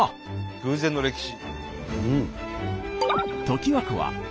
偶然の歴史。